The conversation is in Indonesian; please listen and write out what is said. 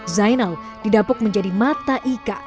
zainal didapuk menjadi mata ika